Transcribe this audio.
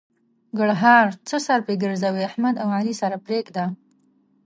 ګړهار: څه سر په ګرځوې؛ احمد او علي سره پرېږده.